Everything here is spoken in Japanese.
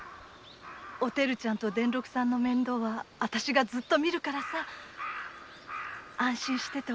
おてるちゃんと伝六さんの面倒はあたしがずっとみるからさ安心してておくれよ。